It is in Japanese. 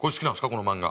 この漫画。